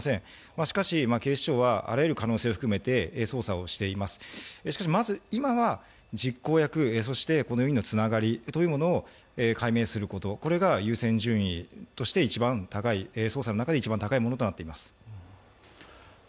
しかし、警視庁はあらゆる可能性を含めて捜査をしています、しかし、今は実行役、そしてこの４人のつながりを解明することが優先順位として捜査の中で一番高いものとなっています。